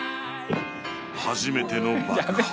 初めての爆破